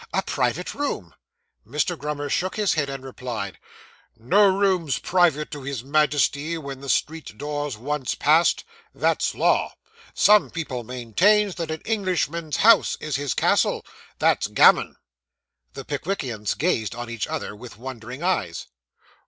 A private room.' Mr. Grummer shook his head, and replied, 'No room's private to his Majesty when the street door's once passed. That's law. Some people maintains that an Englishman's house is his castle. That's gammon.' The Pickwickians gazed on each other with wondering eyes.